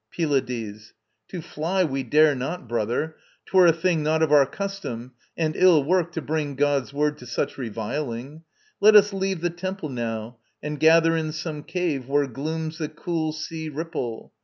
PYLADES. To fly we dare not, brother. 'Twere a thing Not of our custom; and ill work, to bring God's word to such reviling. Let us leave The temple now, and gather in some cave Where glooms the cool sea ripple.